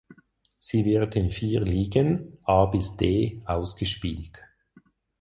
Sie wird in vier Ligen (A bis D) ausgespielt.